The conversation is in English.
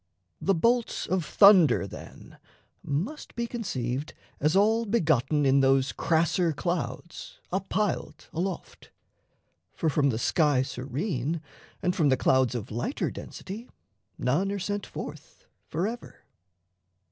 The bolts of thunder, then, must be conceived As all begotten in those crasser clouds Up piled aloft; for, from the sky serene And from the clouds of lighter density, None are sent forth forever.